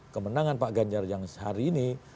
kemenangan pak ganjar yang sehari ini